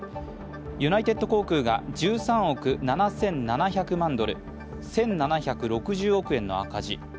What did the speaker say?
ユナイテッド航空が１３億７７００万ドル１７６０億円の赤字。